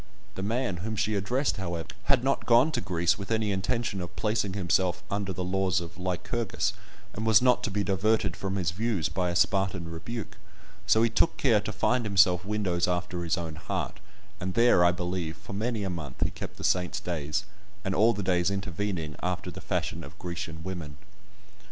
The man whom she addressed, however, had not gone to Greece with any intention of placing himself under the laws of Lycurgus, and was not to be diverted from his views by a Spartan rebuke, so he took care to find himself windows after his own heart, and there, I believe, for many a month, he kept the saints' days, and all the days intervening, after the fashion of Grecian women.